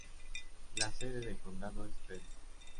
La sede del condado es Fresno.